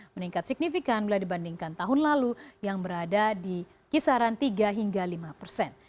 meningkat signifikan bila dibandingkan tahun lalu yang berada di kisaran tiga hingga lima persen